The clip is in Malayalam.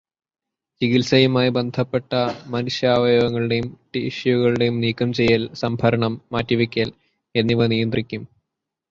ചികിത്സയുമായി ബന്ധപ്പെട്ട മനുഷ്യാവയവങ്ങളുടെയും ടിഷ്യുകളുടെയും നീക്കം ചെയ്യല്, സംഭരണം, മാറ്റിവയ്ക്കല് എന്നിവ നിയന്ത്രിക്കും.